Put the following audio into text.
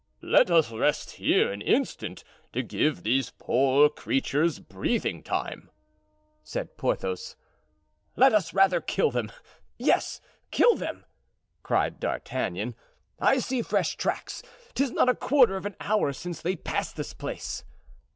"Let us rest here an instant to give these poor creatures breathing time," said Porthos. "Let us rather kill them! yes, kill them!" cried D'Artagnan; "I see fresh tracks; 'tis not a quarter of an hour since they passed this place."